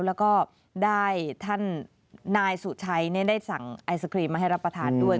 แล้วก็ได้ท่านนายสุชัยได้สั่งไอศครีมมาให้รับประทานด้วย